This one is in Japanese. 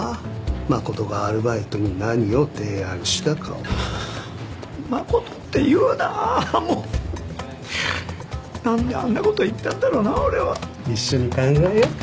誠がアルバイトに何を提案したかを誠って言うなもうなんであんなこと言ったんだろうな俺は一緒に考えようか？